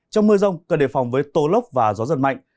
trong mưa rông cần đề phòng với tố lốc và gió giật mạnh